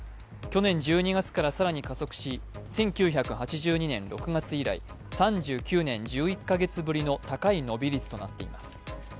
去年１２月から更に加速し、１９８２年６月以来、３９年１１カ月ぶりの高い伸び率となっています。